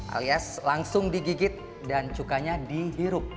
alias langsung digigit dan cukanya dihirup